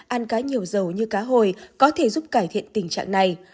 ăn cá nhiều dầu như cá hồi có thể giúp cải thiện tình trạng này